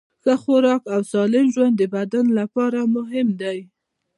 ښه خوراک او سالم ژوند د بدن لپاره مهم دي.